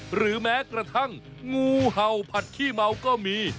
หรือแม้กระทั่งงูเห่าผัดขี้เมาก็มี